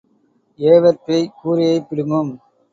ஏவற்பேய் கூரையைப் பிடுங்கும்.